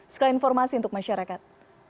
sekali informasi untuk masyarakat